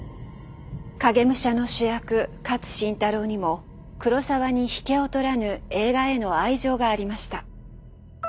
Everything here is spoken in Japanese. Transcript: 「影武者」の主役勝新太郎にも黒澤に引けを取らぬ映画への愛情がありました。